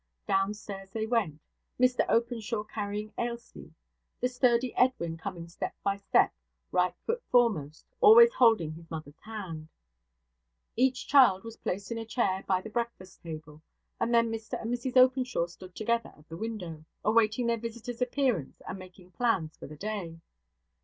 Downstairs they went, Mr Openshaw carrying Ailsie; the sturdy Edwin coming step by step, right foot foremost, always holding his mother's hand. Each child was placed in a chair by the breakfast table, and then Mr and Mrs Openshaw stood together at the window, awaiting their visitors' appearance and making plans for the day.